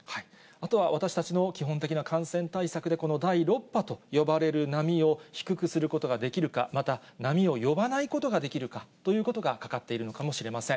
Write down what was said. あとは私たちの基本的な感染対策で、この第６波と呼ばれる波を低くすることができるか、また波を呼ばないことができるかということがかかっているのかもしれません。